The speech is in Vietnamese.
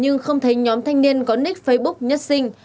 nhưng không thấy nhóm thanh niên có nick facebook nhất sinh